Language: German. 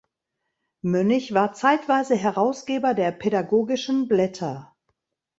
Mönnich war zeitweise Herausgeber der "Pädagogischen Blätter".